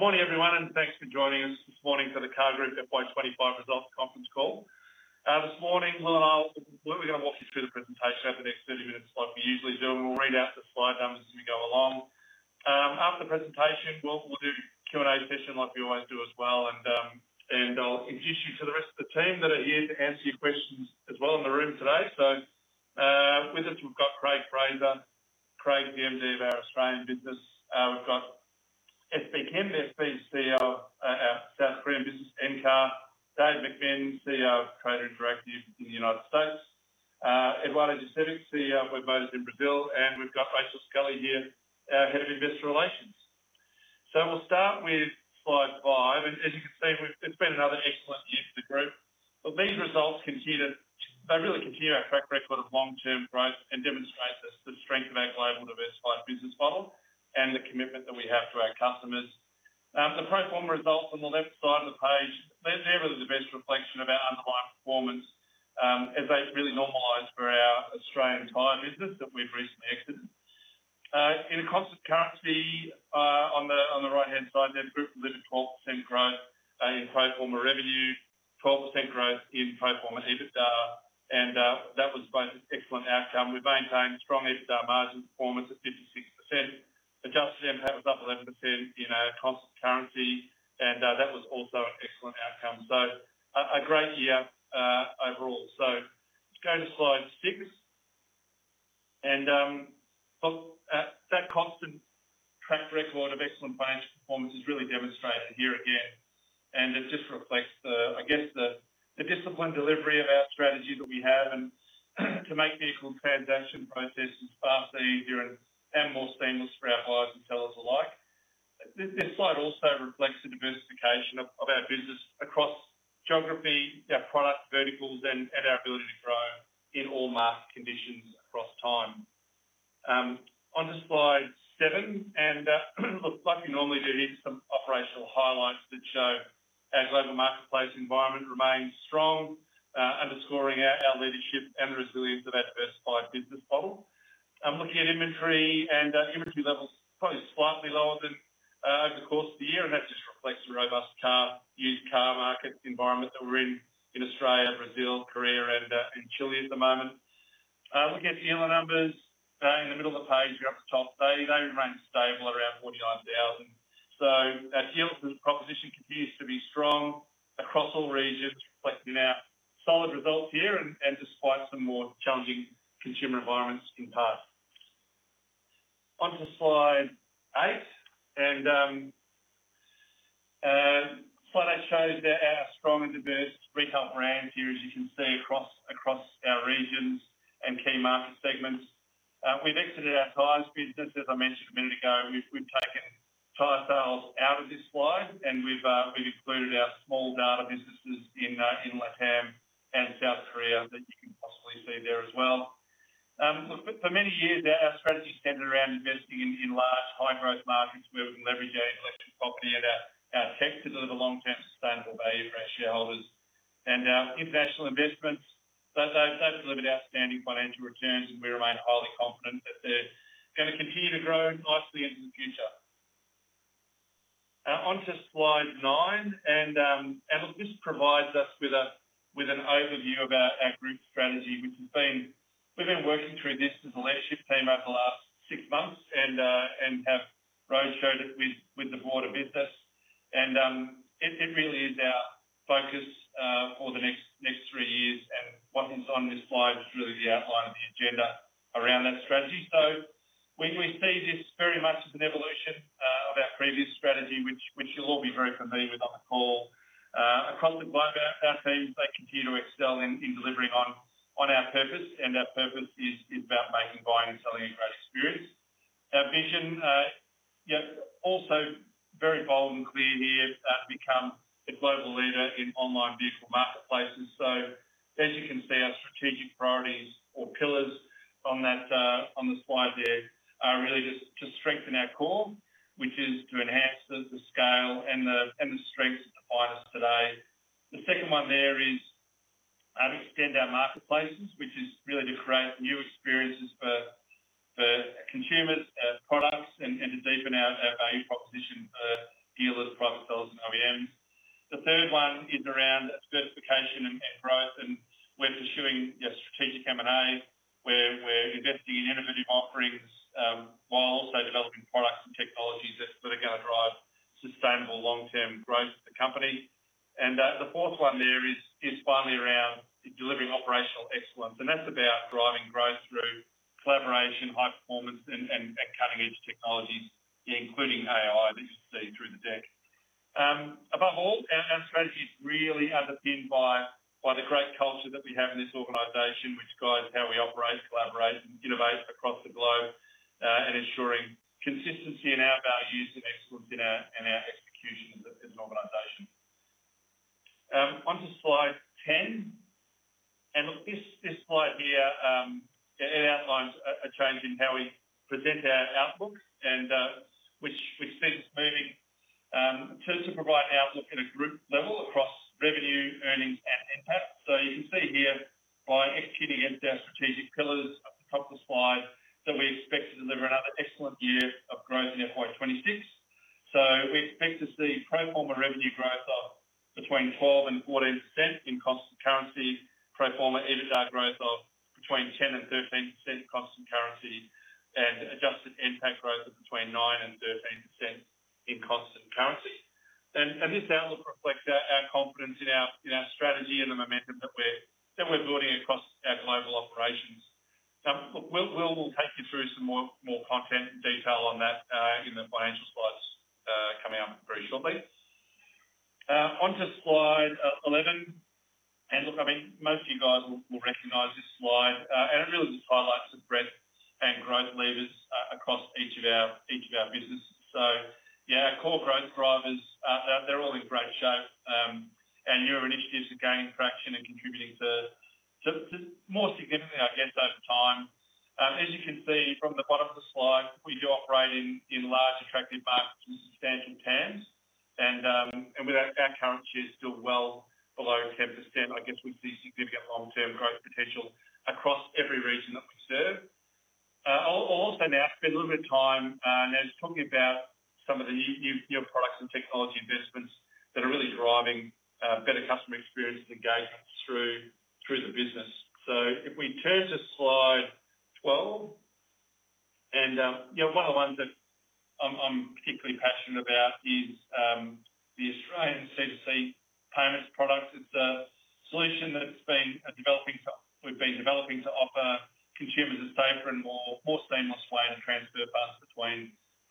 Morning everyone, and thanks for joining us this morning for the CAR Group FY2025 results conference call. This morning, we're going to walk you through the presentation over the next 30 minutes like we usually do, and we'll read out the slide numbers as we go along. After the presentation, we'll do a Q&A session like we always do as well, and I'll introduce you to the rest of the team that are here to answer your questions as well in the room today. With us, we've got Craig Fraser, Craig the MD of our Australian business. We've got Sangbeom Kim, the CEO of our South Korean business, NCAR. David McMinn, CEO of Trader Interactive in the United States, as well as Eduardo, CEO of our business in Brazil, and we've got Rachel Scully here, Head of Investor Relations. We'll start with slide five. As you can see, it's been another excellent year for the group. These results really continue our track record of long-term growth and demonstrate the strength of our global diversified business model and the commitment that we have to our customers. The pro forma results on the left side of the page are generally the best reflection of our underlying performance, as they really normalize for our Australian buyer business that we've recently exited. In constant currency, on the right-hand side, the group delivered 12% growth in pro forma revenue, 12% growth in pro forma EBITDA, and that was both an excellent outcome. We've maintained strong EBITDA margin performance at 56%. The jump to then have a double-digit in our constant currency, and that was also an excellent outcome. A great year overall. Let's go to slide six. That constant track record of excellent financial performance is really demonstrated year to year, and it just reflects the, I guess, the disciplined delivery of our strategy that we have to make the transaction processes far easier and more seamless for our buyers and sellers alike. This slide also reflects the diversification of our business across geography, our product verticals, and our ability to grow in all market conditions across time. Onto slide seven. Like we normally do here, just some operational highlights that show our global marketplace environment remains strong, underscoring our leadership and the resilience of our diversified business model. I'm looking at inventory, and inventory level is probably slightly lower than over the course of the year. That's just reflecting the robust used car market environment that we're in in Australia, Brazil, Korea, and in Chile at the moment. Looking at the yield numbers, in the middle of the page, if you're up to 1230, they remain stable around 49,000. That yield proposition continues to be strong across all regions, reflecting our solid results here despite some more challenging consumer environments in part. Onto slide eight. Slide eight shows that our strong and diverse retail brand here, as you can see, across our regions and key market segments. We've exited our tires business. As I mentioned a minute ago, we've taken tire sales out of this slide, and we've excluded our small data businesses in Lithuania and South Korea that you can possibly see there as well. For many years, our strategy's centred around investing in large, high-growth markets where we can leverage our intellectual property and our effects to deliver long-term sustainable value to our shareholders. Our international investments, those that have delivered outstanding financial returns, and we remain highly confident that they're going to continue to grow nicely into the future. Onto slide nine. This provides us with an overview of our group strategy, which we've been working toward as a leadership team over the last six months and have roadshowed it with the board of business. It really is our focus over the next three years. What's inside this slide is really the outline of the agenda around that strategy. We see this very much as an evolution of our previous strategy, which you'll all be very familiar with on the call. I quite like about our teams, they continue to excel in delivering on our purpose. Our purpose is about making buying and selling interests serious. Our vision, you know, also very bold and clear here, to become a global leader in online vehicle marketplaces. As you can see, our strategic priorities or pillars on that slide there are really just to strengthen our core, which is to enhance the scale and the strengths of the buyers today. The second one there is to extend our marketplaces, which is really to create new experiences for consumers, our products, and to deepen our value proposition for dealer to product sales and OEMs. The third one is around diversification and growth and when issuing your strategic M&A, where we're investing in innovative offerings, while also developing products and technologies that are going to drive sustainable long-term growth for the company. The fourth one there is finally around delivering operational excellence. That's about driving growth through collaboration, high performance, and cutting-edge technologies, including AI that you see through the deck. Above all, our strategy is really underpinned by the great culture that we have in this organization, which guides how we operate, collaborate, and innovate across the globe, and ensuring consistency in our values and excellence in our execution as an organization. Onto slide ten. This slide here outlines a change in how we present our outlook, which since moving, to provide outlook at a group level across revenue, earnings, and impact. You can see here by executing against our strategic pillars at the top of the slide that we expect to deliver another excellent year of growth in FY2026. We expect to see pro forma revenue growth of between 12% and 14% in constant currency, pro forma EBITDA growth of between 10% and 13% in constant currency, and adjusted impact growth of between 9% and 13% in constant currency. This outlook reflects our confidence in our strategy and the momentum that we're building across our global operations. We'll take you through some more content and detail on that in the financial slides coming up very shortly. Onto slide 11.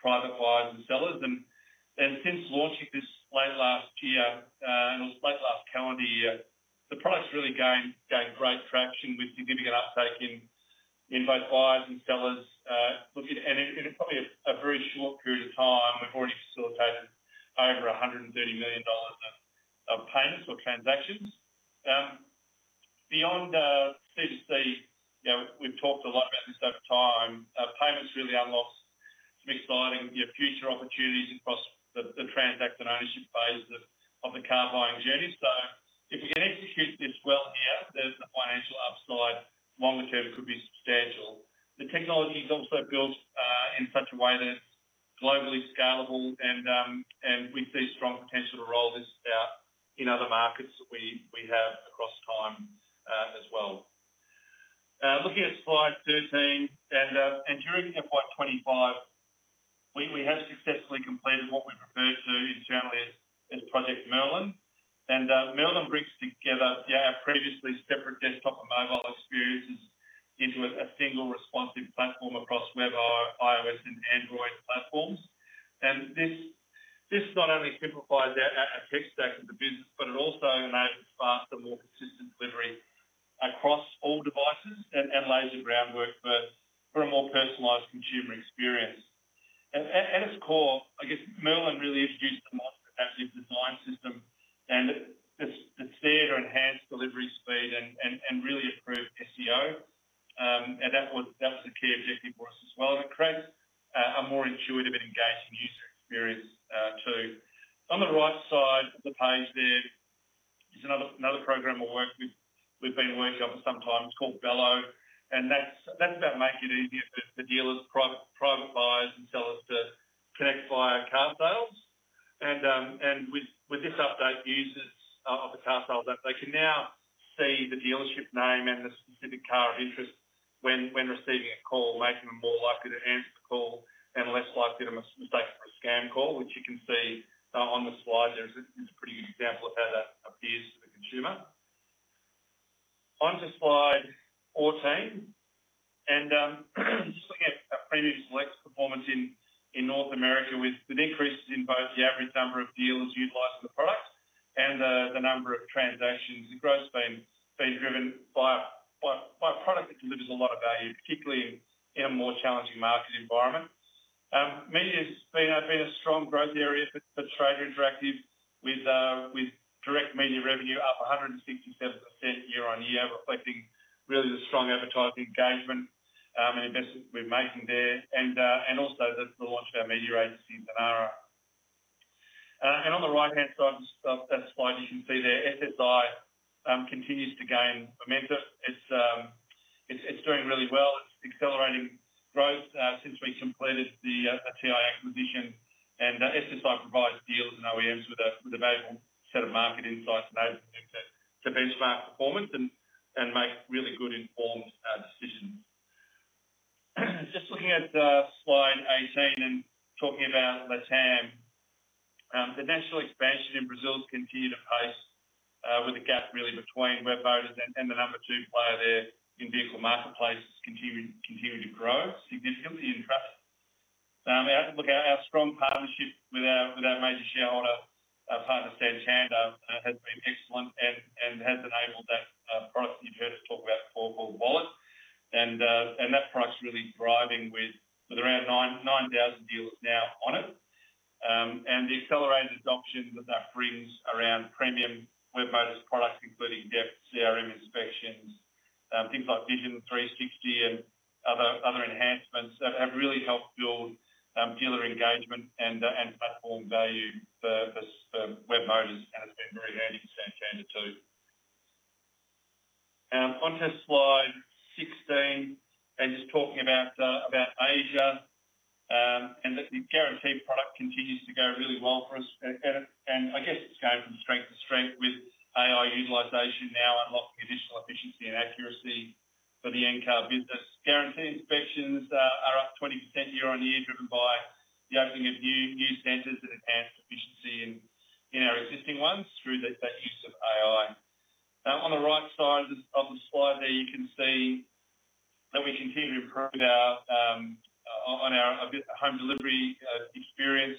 private buyers and sellers. Since launching this late last year, the late last calendar year, the product's really gained great traction with significant uptake in both buyers and sellers. Look at it, and it's probably a very short period of time. We've already facilitated over $130 million of payments or transactions. Beyond C2C, we've talked a lot about this over time. Payments really unlocks to me slide and future opportunities across the transaction ownership phases of the car buying journey. If you can execute this well here, the financial upside longer term could be substantial. The technology is also built in such a way that it's globally scalable, and we see strong potential to roll this out in other markets that we have across time as well. Looking at slide 13, during FY2025, we have successfully completed what we refer to internally as Project Merlin. Merlin brings together our previously separate desktop and mobile experiences into a single responsive platform across web, iOS, and Android platforms. This not only simplifies our tech stack of the business, but it also enables fast and more consistent delivery across all devices and lays the groundwork for a more personalised consumer experience. At its core, I guess Merlin really introduced a multitasking design system and just steered or enhanced delivery speed and really improved SEO. That was a key objective for us as well. It creates a more intuitive and engaging user experience, too. On the right side of the page there, there's another program we've been working on for some time. It's called Bello. That's about making it easier for dealers, private buyers, and sellers to connect via car sales. With this update, users of the car sales app can now see the dealership name and the specific car of interest when receiving a call, making them more likely to answer the call and less likely to mistake a scam call, which you can see on the slide. There's a pretty good example of how that appears to the consumer. Onto slide 14. Our previously less performance in North America with increases in both the average number of dealers utilizing the product and the number of transactions. The growth spend is driven by product that delivers a lot of value, particularly in a more challenging market environment. Media has been a strong growth area for Trader Interactive, with direct media revenue up 167% year-on-year, reflecting really the strong advertising engagement and investment we're making there, and also the launch of our media agency, Zanara. On the right-hand side of the slide, you can see the SSI continues to gain momentum. It's doing really well. It's accelerating growth since we completed the Trader Interactive acquisition. SSI provides dealers and OEMs with a valuable set of market insights and overview to benchmark performance and make really good informed decisions. Just looking at slide 18 and talking about Latin America. The national expansion in Brazil has continued apace, with a gap really between Webmotors and the number two player there in vehicle marketplace continuing to grow significantly in trust. Our strong partnership with our major shareholder partner Stellantis has been excellent and has enabled that product that you've heard us talk about before, called Wallet. That product's really thriving with around 9,000 dealers now on it, and the accelerated adoption of that feeds around premium Webmotors products, including depth, CRM inspections, things like Vision 360 and other enhancements that have really helped build dealer engagement and platform value for Webmotors has been very valuable to our standard too. Onto slide 16 and just talking about Asia. The Guarantee 2.0 product continues to go really well for us. It's going from strength to strength with AI utilization now unlocking additional efficiency and accuracy for the NCAR business. Guaranteed inspections are up 20% year-on-year, driven by the opening of new centers that enhance efficiency in our existing ones through the use of AI. On the right side of the slide there, you can see that we continue to improve our home delivery experience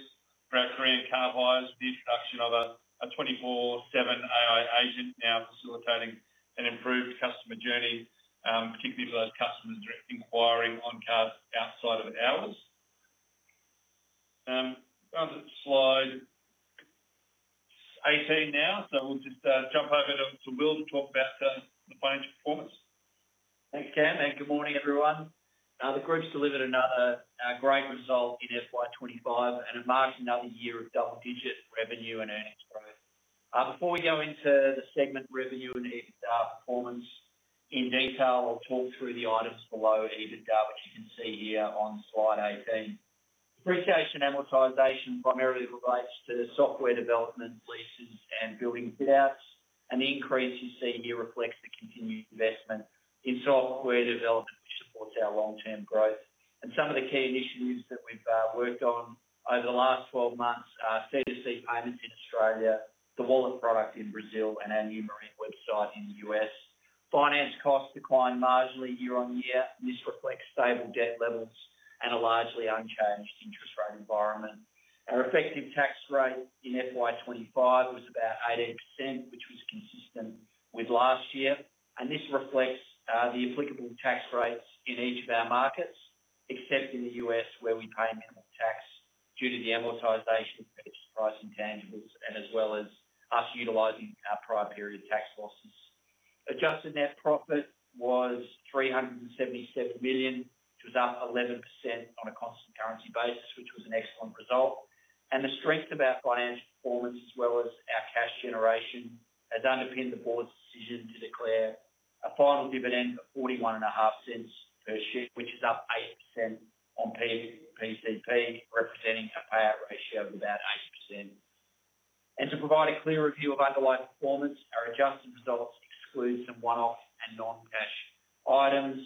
for our Korean car buyers with the introduction of a 24/7 AI agent now facilitating an improved customer journey, particularly to those customers that are inquiring on cars outside of an hour's. Going to slide 18 now. We'll just jump over to Will to talk about the financial performance. Thanks, Cam. And good morning, everyone. The group's delivered another great result in FY2025 and a marginal year of double-digit revenue and earnings growth. Before we go into the segment revenue and EBITDA performance in detail, I'll talk through the items below EBITDA, which you can see here on slide 18. Depreciation and amortization primarily relates to software development, leases, and building fit-outs. The increase you see here reflects the continued investment in software development, which supports our long-term growth. Some of the key initiatives that we've worked on over the last 12 months are C2C payments in Australia, the Wallet product in Brazil, and our new marine website in the U.S. Finance costs declined marginally year-on-year. This reflects stable debt levels and a largely unchanged interest rate environment. Our effective tax rate in FY2025 was about 18%, which was consistent with last year. This reflects the applicable tax rates in each of our markets, except in the U.S. where we pay income tax due to the amortization of purchase price intangibles as well as us utilizing our prior period tax losses. Adjusted net profit was $377 million, which was up 11% on a constant currency basis, which was an excellent result. The strength of our financial performance, as well as our cash generation, had underpinned the board's decision to declare a final dividend of $0.415 per share, which is up 8% on PCP, representing a payout ratio of about 80%. To provide a clearer view of underlying performance, our adjusted results exclude some one-off and non-cash items,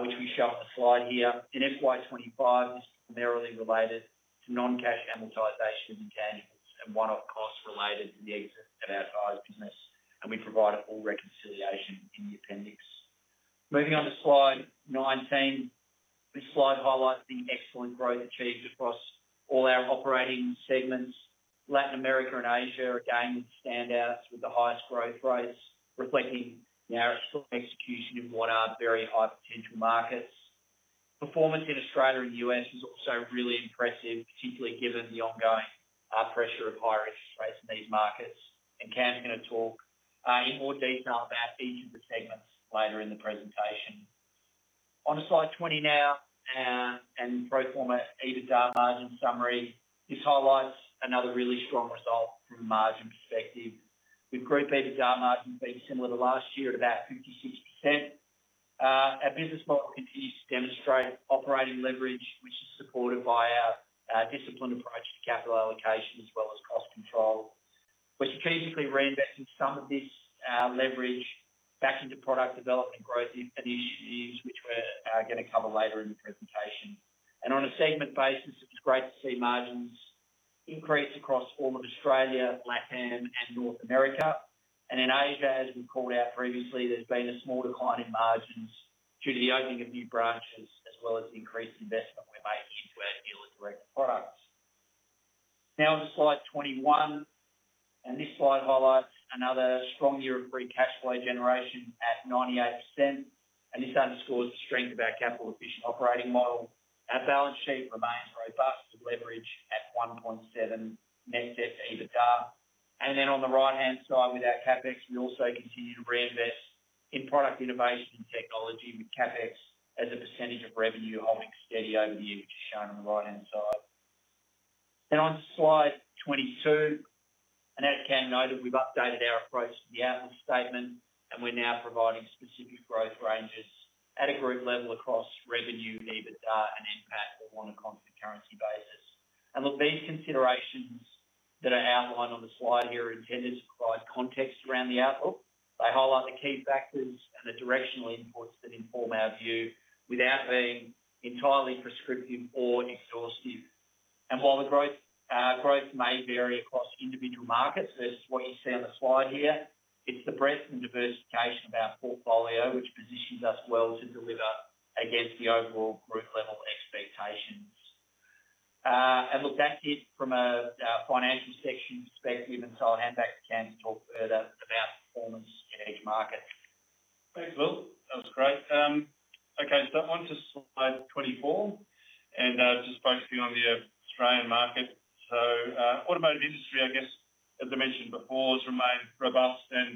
which we show on the slide here. In FY2025, this is narrowly related to non-cash amortization of intangibles and one-off costs related to the exit of our tires business. We provided all reconciliation in the appendix. Moving on to slide 19. This slide highlights the excellent growth achieved across all our operating segments. Latin America and Asia are again standouts with the highest growth rates, reflecting our excellent execution in one of our very high potential markets. Performance in Australia and the U.S. is also really impressive, particularly given the ongoing pressure of higher interest rates in these markets. Cam is going to talk in more detail about each of the segments later in the presentation. Onto slide 20 now, our pro forma EBITDA margin summary just highlights another really strong result from a margin perspective. We've proved EBITDA margins being similar to last year at about 56%. Our business model continues to demonstrate operating leverage, which is supported by our disciplined approach to capital allocation as well as cost control. We're strategically reinvesting some of this leverage back into product development growth initiatives, which we're going to cover later in the presentation. On a segment basis, it's great to see margins increase across all of Australia, Lithuania, and North America. In Asia, as we've called out previously, there's been a small decline in margins due to the opening of new branches as well as the increased investment we're making into our dealer-directed products. Now, onto slide 21. This slide highlights another strong year of free cash flow generation at 98%. This underscores the strength of our capital-efficient operating model. Our balance sheet remains robust with leverage at 1.7 net debt to EBITDA. On the right-hand side with our CapEx, we also continue to reinvest in product innovation and technology, with CapEx as a percentage of revenue holding steady over the years, as shown on the right-hand side. Onto slide 22. As Cam noted, we've updated our approach to the outlook statement, and we're now providing specific growth ranges at a group level across revenue, EBITDA, and impact on a constant currency basis. These considerations that are outlined on the slide here are intended to provide context around the outlook. They highlight the key factors and the directional inputs that inform our view without being entirely prescriptive or exhaustive. While the growth may vary across individual markets, as you see on the slide here, it's the breadth and diversification of our portfolio which positions us well to deliver against the overall group level of expectations. That's it from a financial section perspective. I'll hand back to Cam to talk further about performance in each market. Thanks, Will. That was great. Okay. Onto slide 24, just focusing on the Australian market. The automotive industry, I guess, as I mentioned before, has remained robust, and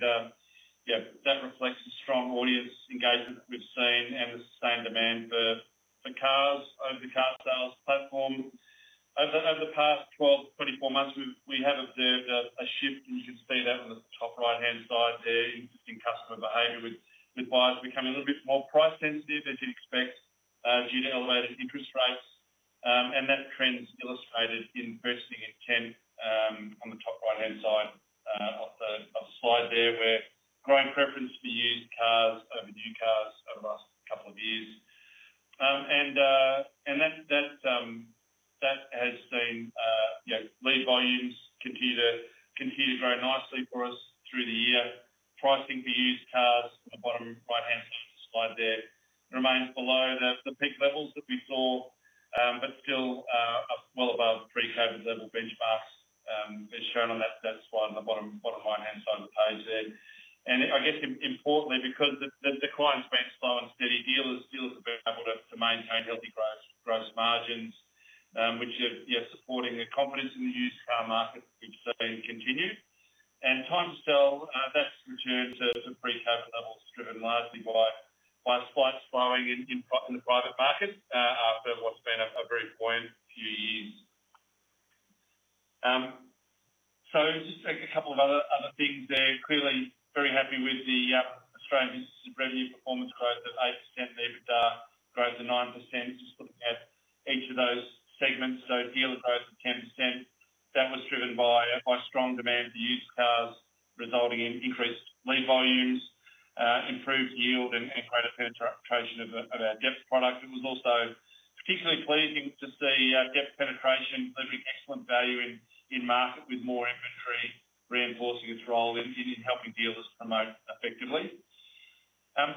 that reflects the strong audience engagement that we've seen and the sustained demand for cars over the CAR Group platform. Over the past 12, 24 months, we have observed a shift, as you can see on the top right-hand side there, in customer behavior with buyers becoming a little bit more price sensitive, as you'd expect, due to elevated interest rates. That trend is illustrated in purchasing intent on the top right-hand side of the slide, where there is a growing preference for used cars over new cars over the last couple of years. That has seen lead volumes continue to grow nicely for us through the year. Pricing for used cars on the bottom right-hand side of the slide remains below the peak levels that we saw, but still up well above pre-COVID level benchmarks, as shown on that slide on the bottom right-hand side of the page. Importantly, because the client's been starting to steady, dealers have been able to maintain healthy gross margins, which is supporting the confidence in the used car market we've seen continue. Time to sell has returned to pre-COVID levels, driven largely by the slowing in the private market after what's been a very buoyant few years. Just a couple of other things there. Clearly, very happy with the Australian revenue performance growth at 8% and EBITDA growth at 9%, just looking at each of those segments. Dealer growth at 10% was driven by strong demand for used cars, resulting in increased lead volumes, improved yield, and we've had a penetration of our depth product. It was also particularly pleasing to see our depth penetration delivering excellent value in market with more inventory reinforcing control and helping dealers promote effectively.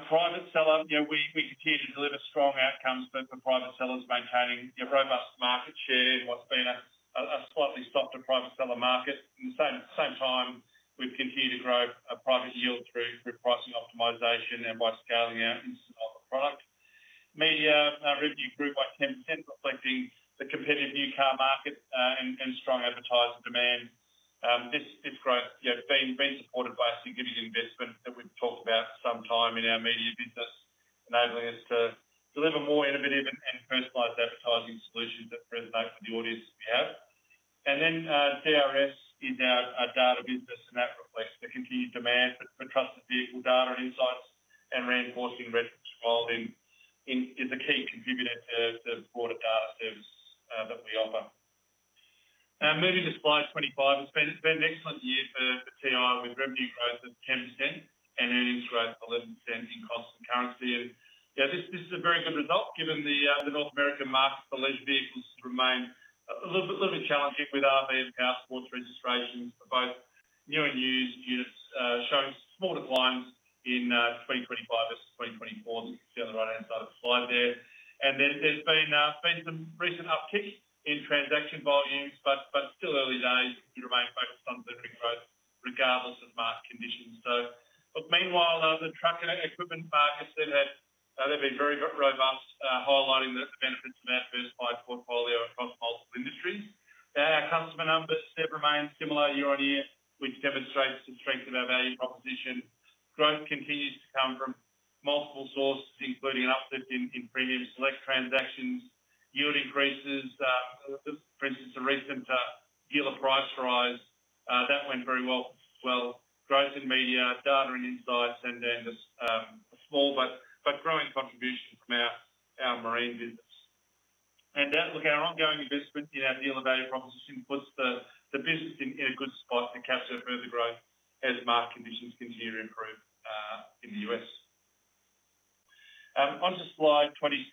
Private seller, we continue to deliver strong outcomes for private sellers, maintaining a robust market share in what's been a slightly softer private seller market. At the same time, we've continued to grow private deal through pricing optimization and by scaling out and selling the product. Media revenue grew by 10%, reflecting the competitive new car market and strong advertiser demand. This growth is being supported by a significant investment that we've talked about for some time in our media business, enabling us to deliver more innovative and personalized advertising solutions that resonate with the audience that we have. The CRS is our data business, and that reflects the continued demand for trusted vehicle data and insights, and reinforcing revenue rolling is a key contributor to the broader data service that we offer. Moving to slide 25, it's been an excellent year for Trader Interactive with revenue growth at 10% and earnings growth at 11% in constant currency. This is a very good result given the North American market for lease vehicles remains a little bit challenging with our lease and out of sports registrations, but both new and used units showing small declines in 2025 and 2024, which is on the right-hand side of the slide there. There has been some recent uptick in transaction volumes, but still early days. We remain focused on delivering growth regardless of market conditions. Meanwhile, the truck and equipment markets have been very robust, highlighting the benefits of our certified portfolio across multiple industries. Our customer numbers have remained similar year-on-year, which demonstrates the strength of our value proposition. Growth continues to come from multiple sources, including an uplift in premium select transactions, yield increases, for instance, the recent dealer price rise that went very well, growth in media, data and insights, and the small but growing contribution from our marine business. Our ongoing investment in our dealer value proposition puts the business in a good spot to capture further growth as the market conditions continue to improve in the U.S. Onto slide 26.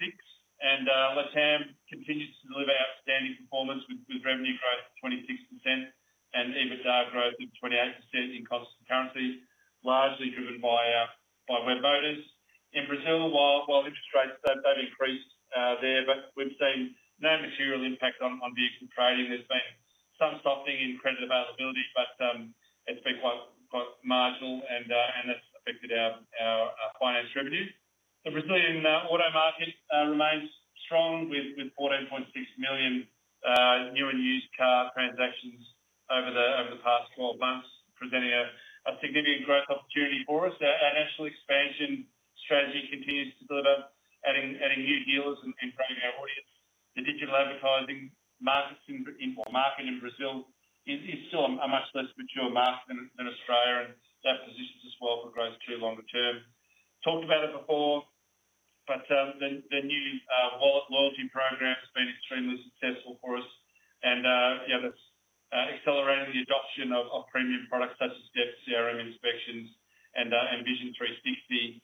Lithuania continues to deliver outstanding performance with revenue growth at 26% and EBITDA growth at 28% in constant currency, largely driven by our Webmotors. In Brazil, while interest rates don't increase there, we've seen no material impact on vehicle trading. There's been some softening in credit availability, but it's been quite marginal, and that's affected our clients' revenue. The Brazilian auto market remains strong, with 14.6 million new and used car transactions over the past 12 months, presenting a significant growth opportunity for us. Our national expansion strategy continues to build up, adding new deals and growing our audience. The digital advertising market in Brazil is still a much less mature market than Australia, and that positions us well for growth longer term. Talked about it before, but the new loyalty program has been extremely successful for us, and that's accelerating the adoption of premium products such as depth, CRM inspections, and Vision 360.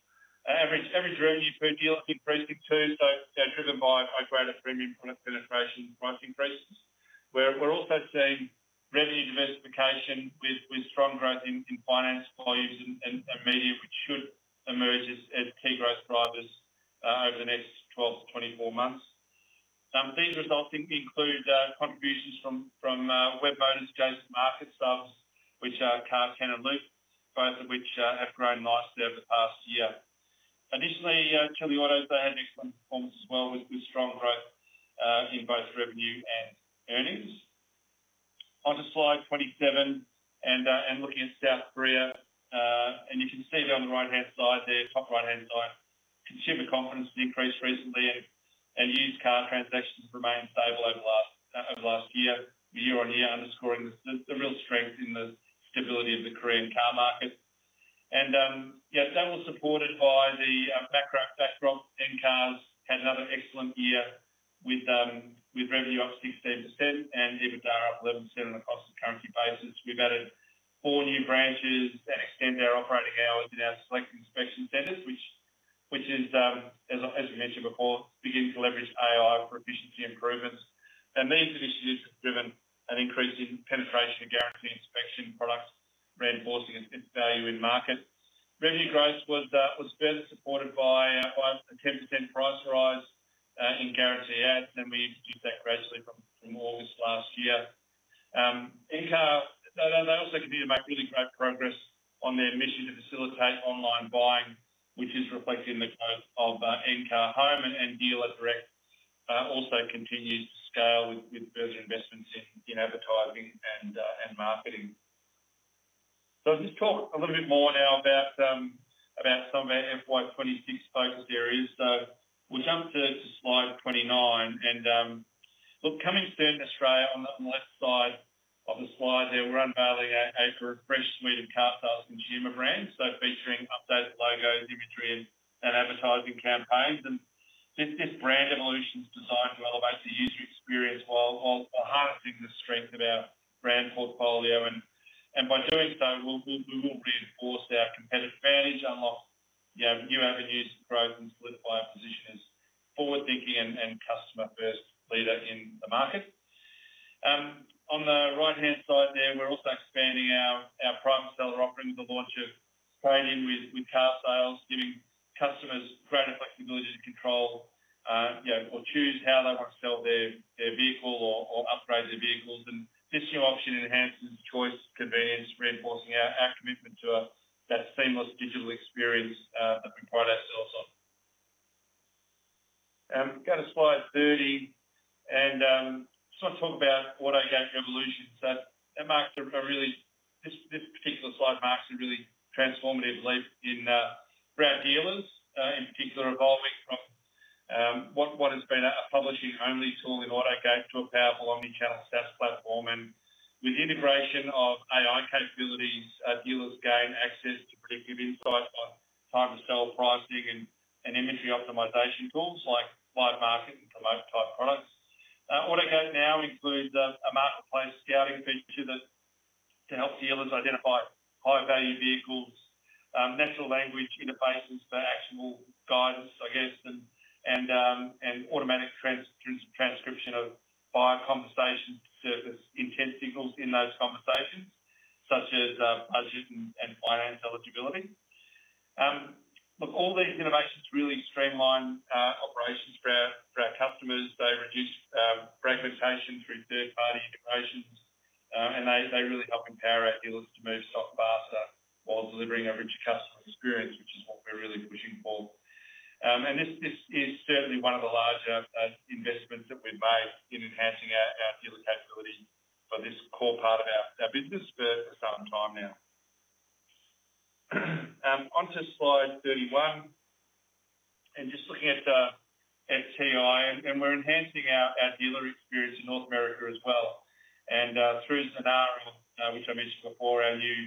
Average revenue per deal has been predicted too, so it's driven by a greater premium product penetration and pricing crisis. We're also seeing revenue diversification with strong growth in finance volumes and media, which should emerge as key growth drivers over the next 12-24 months. These results include contributions from Webmotors, Change the Market Styles, which are Cars Can and Look, both of which have grown nicely over the past year. Additionally, Kia Lion's done an excellent performance as well with strong growth in both revenue and earnings. Onto slide 27. Looking at South Korea, you can see there on the right-hand side, top right-hand side, consumer confidence has increased recently. Used car transactions remain stable over the last year, year-on-year, underscoring the real strength in the stability of the Korean car market. That was supported by the macro backdrop. NCAR has had another excellent year with revenue up 16% and EBITDA up 11% on a constant currency basis. We've added four new branches that extend our operating hours in our select inspection centers, which, as we mentioned before, are beginning to leverage AI for efficiency improvements. These initiatives have driven an increase in penetration of guaranteed inspection products, reinforcing its value in market. Revenue growth was further supported by a 10% price rise in Gareth V Apps, and we introduced that gradually from August last year. NCAR also continues to make really great progress on their initiative to facilitate online buying, which is reflected in the growth of NCAR Home and DealerDirect. Also continues to scale with further investments in advertising and marketing. I'll just talk a little bit more now about some of our FY2026 focus areas. We'll jump to slide 29. Coming soon in Australia, on the left side of the slide there, we're unveiling a refreshed suite of car sales consumer brands, featuring updated logos, imagery, and advertising campaigns. This brand evolution is designed to elevate the user experience while harnessing the strength of our brand portfolio. By doing so, we will be forced out competitive advantage and have new avenues to grow and solidify our position as a forward-thinking and customer-first leader in the market. On the right-hand side there, we're also expanding our private seller offering with the launch of trade-in with car sales, giving customers greater flexibility to control or choose how they want to sell their vehicle or upgrade their vehicles. This new option enhances choice and convenience, reinforcing our commitment to a seamless digital experience that can provide our sales side. Go to slide 30. I just want to talk about AutoGuide's evolution. This particular slide marks a really transformative leap for our dealers, in particular evolving from what has been a publishing-only tool in AutoGuide to a powerful omnichannel SaaS platform. With the integration of AI capabilities, dealers gain access to predictive insights like time-of-sale pricing and inventory optimisation tools like slide market and promote type products. AutoGuide now includes a marketplace scouting feature that helps dealers identify high-value vehicles, natural language interfaces for actionable guidance, and automatic transcription of buyer conversation service intent signals in those conversations, such as budget and finance eligibility. All these innovations really streamline operations for our customers. They reduce reputation through third-party information. They really help empower our dealers to move stuff faster while delivering average customer experience, which is what we're really pushing for. This is certainly one of the larger investments that we've made in enhancing our dealer capabilities for this core part of our business for a certain time now. Onto slide 31. Just looking at TR, we're enhancing our dealer experience in North America as well. Through Zanara, which I mentioned before, our new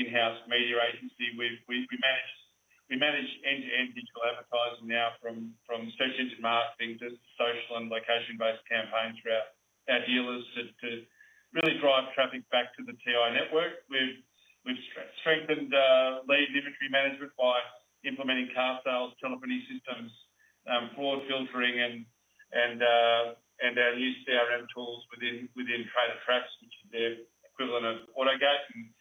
in-house media agency, we manage end-to-end digital advertising now from sessions in marketing to social and location-based campaigns for our dealers to really drive traffic back to the TR network. We've strengthened lead inventory management by implementing car sales telephony systems, fraud filtering, and our new CRM tools within TradeFast, which is the equivalent of AutoGuide.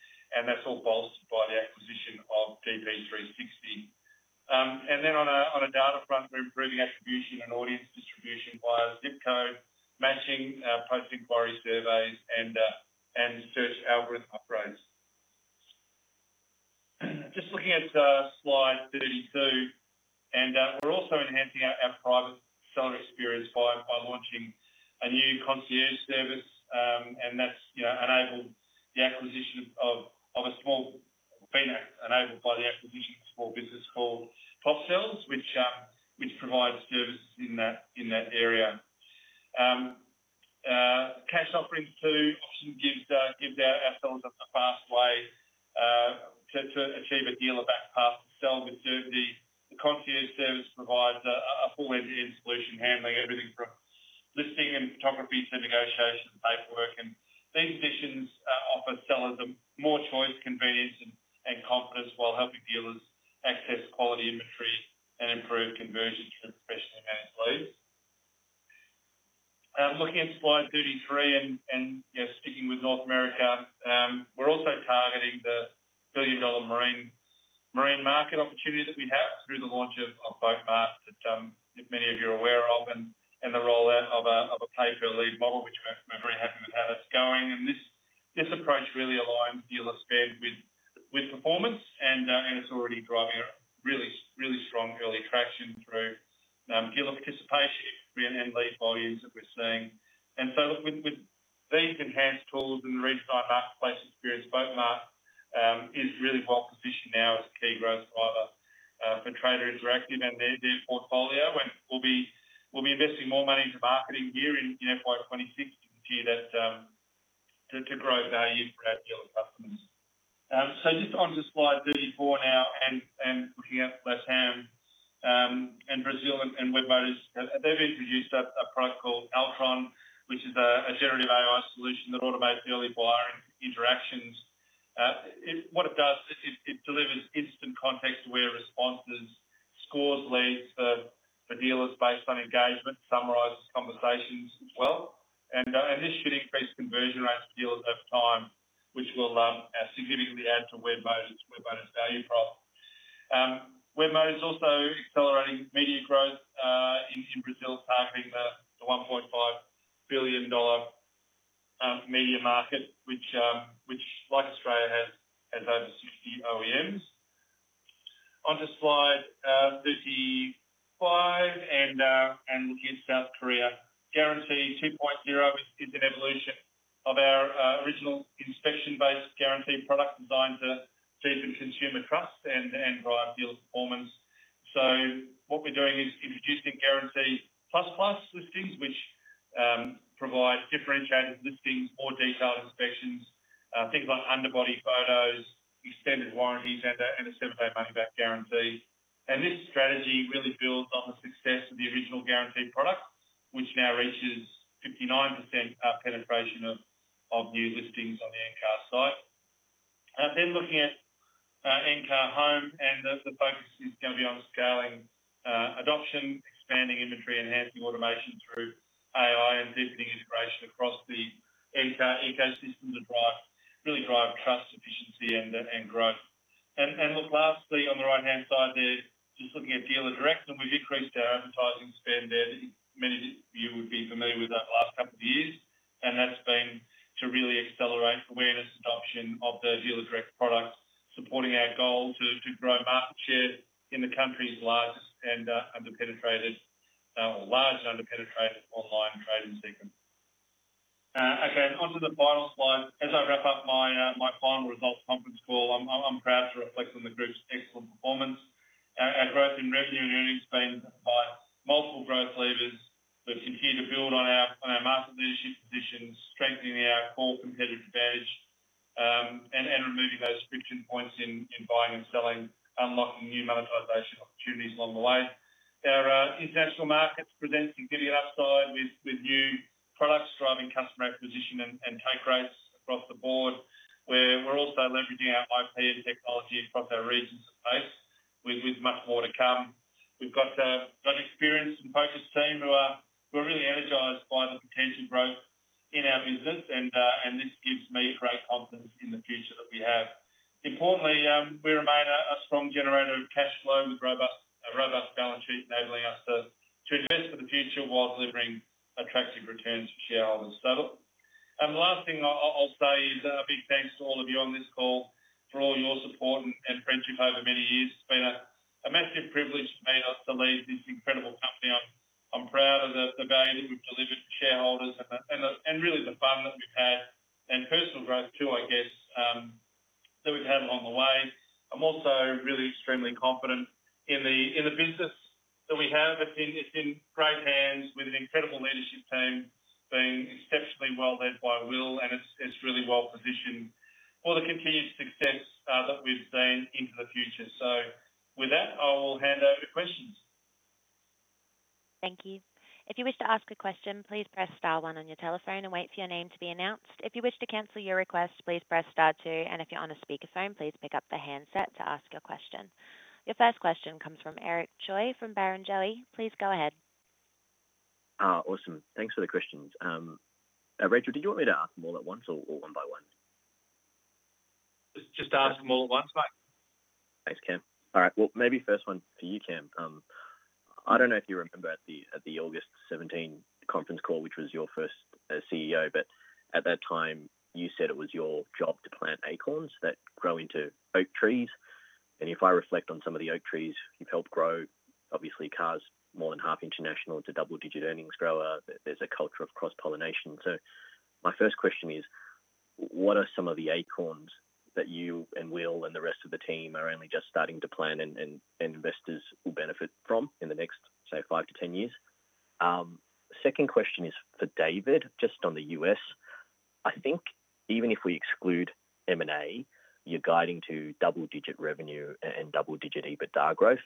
That's all bolstered by the acquisition of DP360. On a data front, we're improving attribution and audience distribution via zip codes, matching our post-inquiry surveys, and search algorithm upgrades. Just looking at slide 32, we're also enhancing our private seller experience by launching a new concierge service. That's enabled by the acquisition of a small business called PopSells, which provides services in that area. Cash offering too often gives our sellers a fast way to achieve a deal of that fast sell maturity. The concierge service provides a formative solution handling everything from listing and photography to negotiation and paperwork. These additions offer sellers more choice, convenience, and confidence while helping dealers access quality inventory and improve conversions, especially against leads. Looking at slide 33, sticking with North America, we're also targeting the billion-dollar marine market opportunity that we have through the launch of marine leads that many of you are aware of and the rollout of a pay-per-lead model, which we're very happy with how that's going. This approach really aligns dealer spend with performance and authority, driving really strong early traction through dealer participation and lead volumes that we're seeing. With these enhanced tools and the redesigned marketplace experience, marine leads is really well positioned now as a key growth driver for Trader Interactive and their portfolio. We'll be investing more money into marketing here in FY2026 to continue that, to grow value for our dealer customers. Just onto slide 34 now, looking at Latin America and Brazil and Webmotors. They've introduced a product called Elotron, which is a generative AI solution that automates daily buyer interactions. What it does is it delivers instant context-aware responses, scored leads for the dealers based on engagement, summarized conversations as well. This should increase conversion rates for dealers over time, which will significantly add to Webmotors' value prop. Webmotors is also accelerating media growth in Brazil, targeting the $1.5 billion media market, which, like Australia, has over 60 OEMs. Onto slide 35, looking at South Korea. Guarantee 2.0 is an evolution of our original inspection-based guarantee product designed to deepen consumer trust and drive dealer performance. We're introducing Guarantee Plus Plus listings, which provide differentiated listings, more detailed inspections, things like underbody photos, extended warranties, and a seven-day money-back guarantee. This strategy really builds on the success of the original guarantee product, which now reaches 59% penetration of new listings on the NCAR site. Looking at NCAR Home, the focus is going to be on scaling adoption, expanding inventory, enhancing automation through AI, and visiting integration across the NCAR ecosystem to really drive trust, efficiency, and growth. Lastly, on the right-hand side there, just looking at DealerDirect. We've increased our advertising spend there, as many of you would be familiar with over the last couple of years. That has been to really accelerate awareness and adoption of the DealerDirect product, supporting our goal to grow market share in the country's largest and underpenetrated online trade-in system. Onto the final slide. As I wrap up my final results conference call, I'm proud to reflect on the group's excellent performance and growth in revenue and earnings, driven by multiple growth levers that continue to build on our market leadership positions, strengthening our core competitive advantage, and removing those friction points in buying and selling, unlocking new monetization opportunities along the way. Our international markets present a giddy upside with new products driving customer acquisition and take rates across the board. We're also leveraging our bipedal technology across our regions of place, with much more to come. We've got an experienced and focused team who are really energised by the potential growth in our business. This gives me great confidence in the future that we have. Importantly, we remain a strong generator of cash flow with a robust balance sheet, enabling us to invest for the future while delivering attractive returns to shareholders. The last thing I'll say is a big thanks to all of you on this call for all your support and friendship over many years. It's been a massive privilege for me to lead this incredible company. I'm proud of the value that we've delivered to shareholders and really the fun that we've had and personal growth too, I guess, that we've had along the way. I'm also really extremely confident in the business that we have. It's in great hands with an incredible leadership team being exceptionally well led by Will. It's really well positioned for the continued success that we've seen into the future. With that, I will hand over to questions. Thank you. If you wish to ask a question, please press star one on your telephone and wait for your name to be announced. If you wish to cancel your request, please press star two. If you're on a speaker phone, please pick up the handset to ask your question. Your first question comes from Eric Choi Barrenjoey. Please go ahead. Awesome. Thanks for the questions. Rachel, do you want me to ask them all at once or one by one? Just ask them all at once, Mike. Thanks, Cam. All right. Maybe first one for you, Cam. I don't know if you remember at the August 17 conference call, which was your first as CEO, but at that time, you said it was your job to plant acorns that grow into oak trees. If I reflect on some of the oak trees you've helped grow, obviously, CAR Group is more than half international, a double-digit earnings grower. There's a culture of cross-pollination. My first question is, what are some of the acorns that you and Will and the rest of the team are only just starting to plant and investors will benefit from in the next, say, 5-10 years? Second question is for David, just on the U.S. I think even if we exclude M&A, you're guiding to double-digit revenue and double-digit EBITDA growth.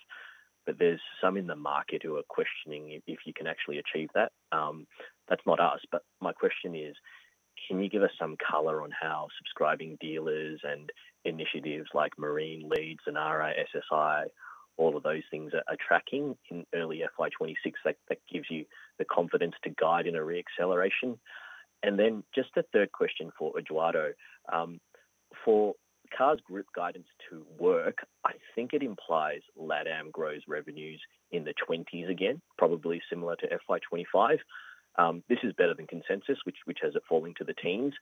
There are some in the market who are questioning if you can actually achieve that. That's not us. My question is, can you give us some color on how subscribing dealers and initiatives like marine leads, Zanara, SSI, all of those things are tracking in early FY2026? That gives you the confidence to guide in a reacceleration. Then just the third question for Eduardo. For CAR Group guidance to work, I think it implies Latin America grows revenues in the 20s again, probably similar to FY2025. This is better than consensus, which has it falling to the teens.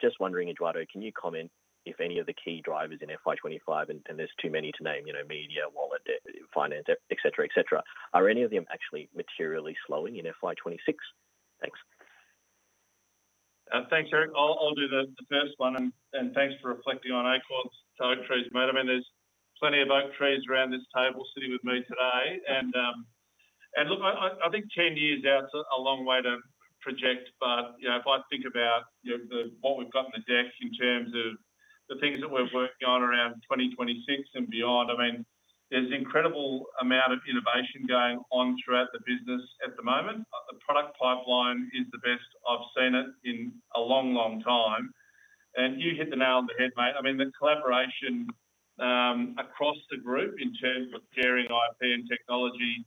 Just wondering, Eduardo, can you comment if any of the key drivers in FY2025, and there's too many to name, you know, media, wallet, finance, etc., etc., are any of them actually materially slowing in FY2026? Thanks. Thanks, Eric. I'll do the first one. Thanks for reflecting on acorns, towed trees, and motor motors. Plenty of oak trees around this table sitting with me today. I think 10 years out is a long way to project. If I think about what we've got on the deck in terms of the things that we're working on around 2026 and beyond, there's an incredible amount of innovation going on throughout the business at the moment. The product pipeline is the best I've seen it in a long, long time. You hit the nail on the head, mate. The collaboration across the group in terms of sharing IP and technology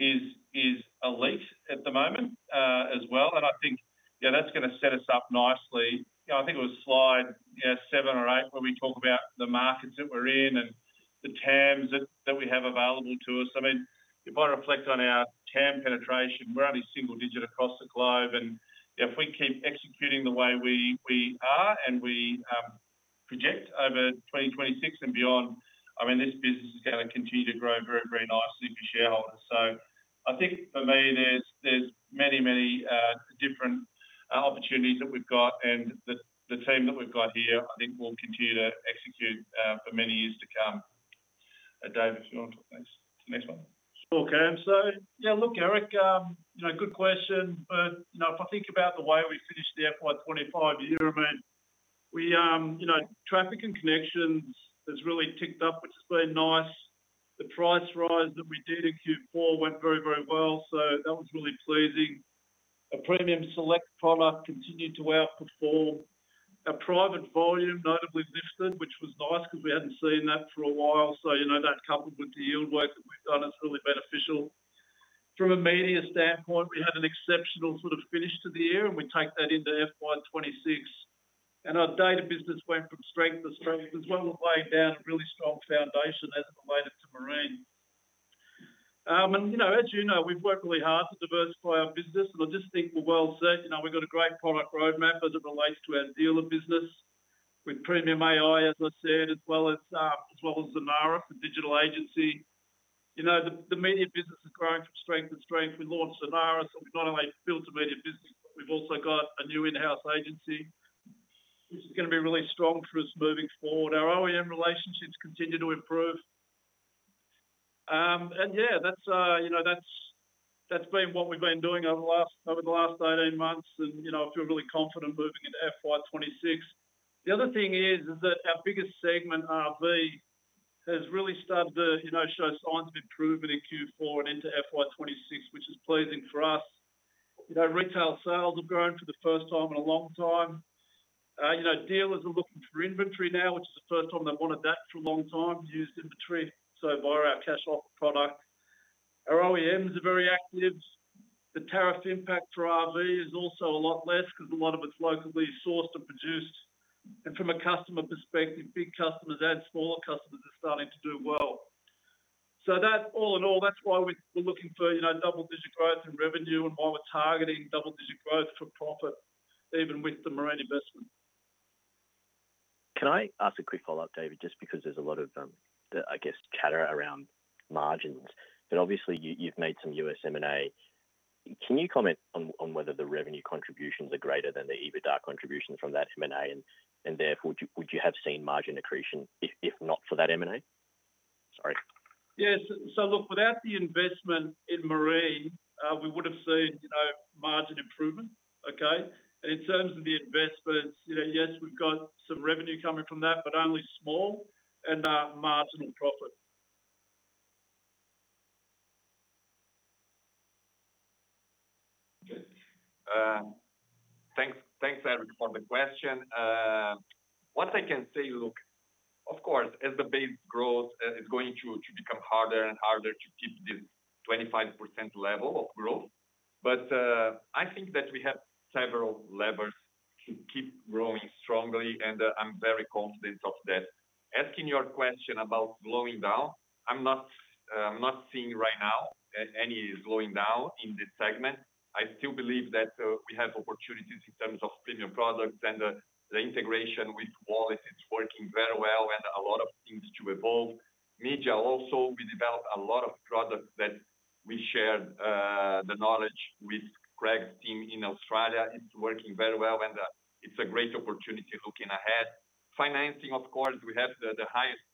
is a leap at the moment, as well. I think that's going to set us up nicely. I think it was slide seven or eight where we talk about the markets that we're in and the TAMs that we have available to us. If I reflect on our TAM penetration, we're only single digit across the globe. If we keep executing the way we are and we project over 2026 and beyond, this business is going to continue to grow very, very nicely, Michelle. I think for me, there's many, many different opportunities that we've got. The team that we've got here, I think, will continue to execute for many years to come. David, if you want to talk next one. Sure, Cam. Yeah, look, Eric, good question. If I think about the way we finished the FY2025 year, traffic and connections have really ticked up. It's been nice. The price rise that we did at Q4 went very, very well. That was really pleasing. A premium select product continued to outperform. Our private volume notably lifted, which was nice because we hadn't seen that for a while. That, coupled with the yield work that we've done, is really beneficial. From a media standpoint, we had an exceptional sort of finish to the year, and we take that into FY2026. Our data business went from strength to strength as well as laying down a really strong foundation as it related to marine. As you know, we've worked really hard to diversify our business. I just think we're well set. We've got a great product roadmap as it relates to our dealer business with Premium AI, as I said, as well as Zanara for digital agency. The media business is growing from strength to strength. We launched Zanara, so we've not only built a media business, but we've also got a new in-house agency, which is going to be really strong for us moving forward. Our OEM relationships continue to improve. That's been what we've been doing over the last 18 months. I feel really confident moving into FY2026. The other thing is that our biggest segment, RV, has really started to show signs of improvement in Q4 and into FY2026, which is pleasing for us. Retail sales have grown for the first time in a long time. Dealers are looking for inventory now, which is the first time they want to adapt to a long-time used inventory via our cash-off product. Our OEMs are very active. The tariff impact for RV is also a lot less because a lot of it's locally sourced and produced. From a customer perspective, big customers and smaller customers are starting to do well. All in all, that's why we're looking for double-digit growth in revenue and why we're targeting double-digit growth for profit, even with the marine investment. Can I ask a quick follow-up, David, just because there's a lot of, I guess, chatter around margins? Obviously, you've made some U.S. M&A. Can you comment on whether the revenue contributions are greater than the EBITDA contributions from that M&A? Therefore, would you have seen margin accretion if not for that M&A? Sorry. Yeah. Look, without the investment in marine, we would have seen margin improvement, okay? In terms of the investments, yes, we've got some revenue coming from that, but only small and margin profit. Okay. Thanks, thanks, Eric, for the question. What I can say, look, of course, as the base growth is going to become harder and harder to keep the 25% level of growth. I think that we have several levers to keep growing strongly, and I'm very confident of that. Asking your question about slowing down, I'm not seeing right now any slowing down in this segment. I still believe that we have opportunities in terms of premium products and the integration with wallets. It's working very well. We had a lot of things to evolve. Media also, we developed a lot of products that we shared, the knowledge with Craig's team in Australia. It's working very well, and it's a great opportunity looking ahead. Financing, of course, we have the highest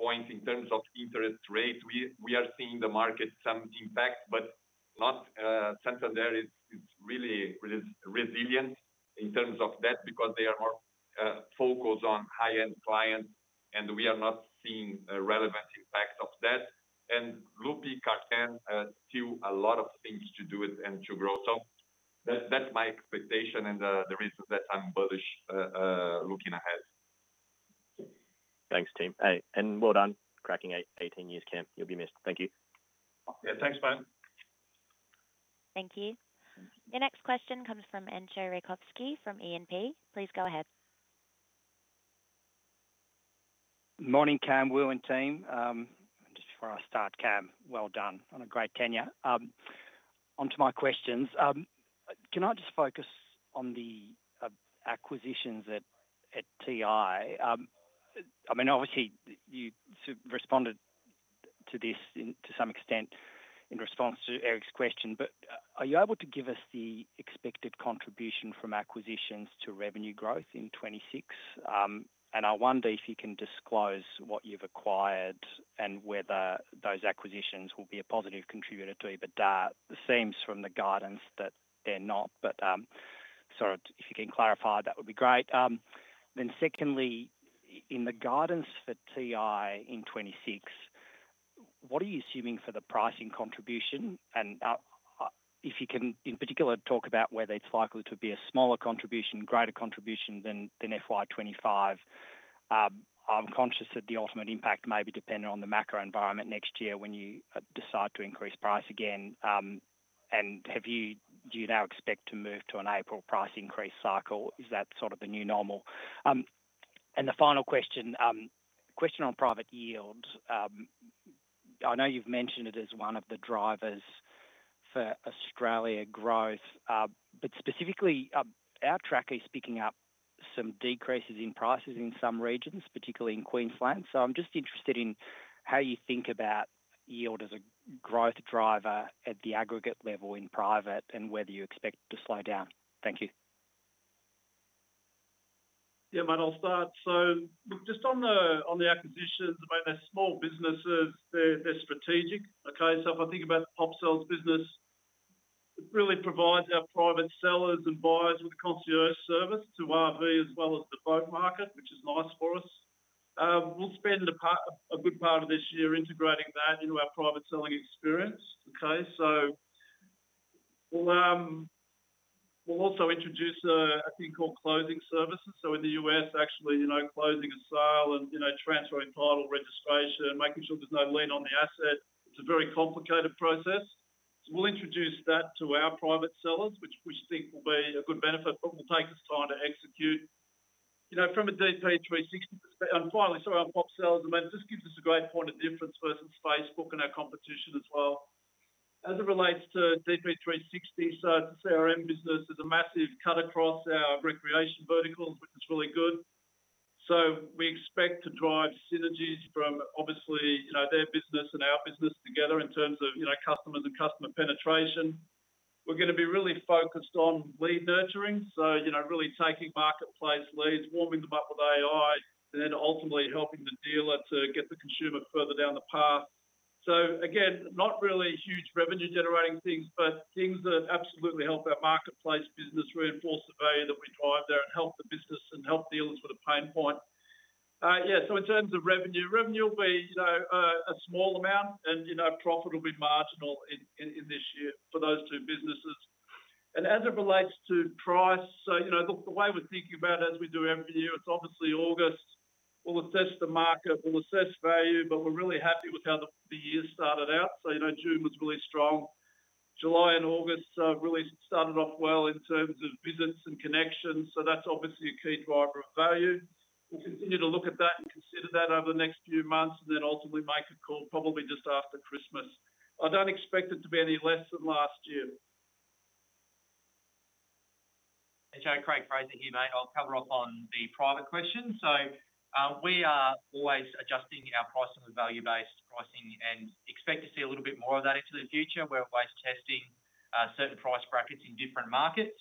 points in terms of interest rates. We are seeing the market, some impact, but not, Santander is really, really resilient in terms of that because they are more focused on high-end clients, and we are not seeing a relevant impact of that. Lupi, Carten, still a lot of things to do and to grow. That's my expectation and the reason that I'm bullish, looking ahead. Thanks, team. Cracking 18 years, Cam. You'll be missed. Thank you. Yeah, thanks, Eric. Thank you. The next question comes from Entcho Raykovski from E&P. Please go ahead. Morning, Cam, Will, and team. Just before I start, Cam, well done on a great tenure. Onto my questions. Can I just focus on the acquisitions at TI? I mean, obviously, you sort of responded to this to some extent in response to Eric's question, but are you able to give us the expected contribution from acquisitions to revenue growth in 2026? I wonder if you can disclose what you've acquired and whether those acquisitions will be a positive contributor to EBITDA. It seems from the guidance that they're not, so if you can clarify, that would be great. Secondly, in the guidance for TI in 2026, what are you assuming for the pricing contribution? If you can, in particular, talk about whether it's likely to be a smaller contribution, greater contribution than FY2025. I'm conscious that the ultimate impact may be dependent on the macro environment next year when you decide to increase price again. Do you now expect to move to an April price increase cycle? Is that sort of the new normal? The final question, question on private yield. I know you've mentioned it as one of the drivers for Australia growth, but specifically, our track is picking up some decreases in prices in some regions, particularly in Queensland. I'm just interested in how you think about yield as a growth driver at the aggregate level in private and whether you expect it to slow down. Thank you. Yeah, mate, I'll start. Just on the acquisitions, they're small businesses. They're strategic, okay? If I think about the PopSells business, it really provides our private sellers and buyers with concierge service to RV as well as the boat market, which is nice for us. We'll spend a good part of this year integrating that into our private selling experience, okay? We'll also introduce a thing called closing services. In the U.S., actually, closing a sale and transferring title registration, making sure there's no lien on the asset, is a very complicated process. We'll introduce that to our private sellers, which we think will be a good benefit, but will take us time to execute. From a DP360 perspective, and finally, sorry, not sellers, I mean, this gives us a great point of difference versus Facebook and our competition as well. As it relates to the DP360 CRM business, there's a massive cut across our recreation verticals, which is really good. We expect to drive synergies from their business and our business together in terms of customers and customer penetration. We're going to be really focused on lead nurturing, really taking marketplace leads, warming them up with AI, and then ultimately helping the dealer to get the consumer further down the path. Not really huge revenue-generating things, but things that absolutely help our marketplace business reinforce the value that we've hired there and help the business and help dealers with a pain point. In terms of revenue, revenue will be a small amount, and profit will be marginal in this year for those two businesses. As it relates to price, the way we're thinking about it as we do revenue, it's obviously August. We'll assess the market. We'll assess value, but we're really happy with how the year started out. June was really strong. July and August really started off well in terms of visits and connections. That's obviously a key driver of value. We'll continue to look at that, consider that over the next few months, and then ultimately make a call probably just after Christmas. I don't expect it to be any less than last year. Okay, Craig Fraser here, mate. I'll cover off on the private question. We are always adjusting our pricing with value-based pricing and expect to see a little bit more of that into the future. We're always testing certain price brackets in different markets.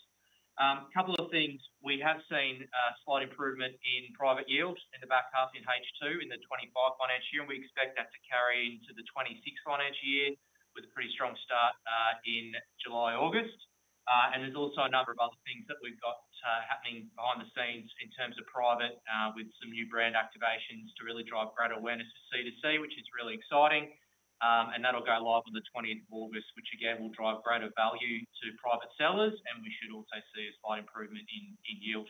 A couple of things. We have seen a slight improvement in private yield in the back half in H2 in the 2025 financial year, and we expect that to carry into the 2026 financial year with a pretty strong start in July-August. There's also a number of other things that we've got happening behind the scenes in terms of private, with some new brand activations to really drive greater awareness of C2C, which is really exciting. That'll go live on the 20th of August, which again will drive greater value to private sellers, and we should also see a slight improvement in yield.